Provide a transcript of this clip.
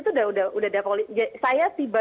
tuh udah udah udah saya tiba